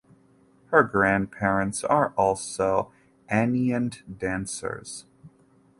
Her grandparents are also anyeint dancers.